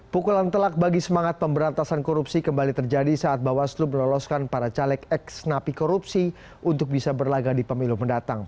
pukulan telak bagi semangat pemberantasan korupsi kembali terjadi saat bawaslu meloloskan para caleg ex napi korupsi untuk bisa berlagak di pemilu mendatang